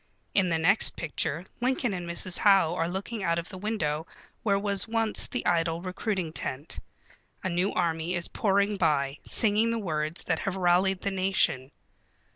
In the next picture Lincoln and Mrs. Howe are looking out of the window where was once the idle recruiting tent. A new army is pouring by, singing the words that have rallied the nation.